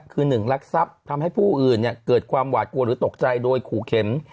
คือ๑รักทรัพย์ทำให้ผู้อื่นเกิดความหวาดกลัวหรือตกใจโดยขู่เข็ม